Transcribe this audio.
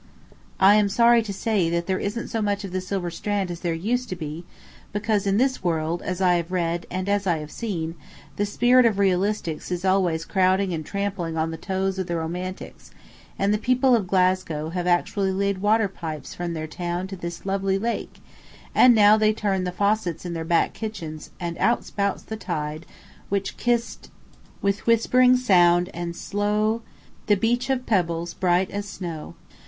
I am sorry to say there isn't so much of the silver strand as there used to be, because, in this world, as I have read, and as I have seen, the spirit of realistics is always crowding and trampling on the toes of the romantics, and the people of Glasgow have actually laid water pipes from their town to this lovely lake, and now they turn the faucets in their back kitchens and out spouts the tide which kissed "With whispering sound and slow The beach of pebbles bright as snow."